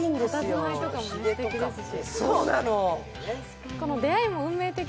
佇まいとかもすてきですし。